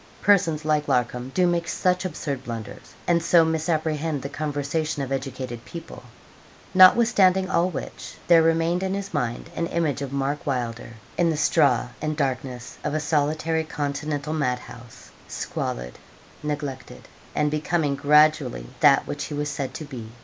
Persons like Larcom do make such absurd blunders, and so misapprehend the conversation of educated people. Nothwithstanding all which, there remained in his mind an image of Mark Wylder, in the straw and darkness of a solitary continental mad house squalid, neglected, and becoming gradually that which he was said to be.